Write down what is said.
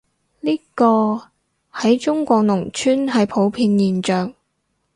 呢個，喺中國農村係普遍現象